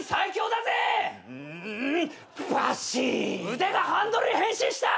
腕がハンドルに変身した！